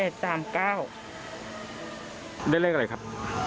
ได้เลขอะไรครับ